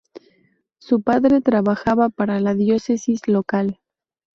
Su padre trabajaba para la diócesis local.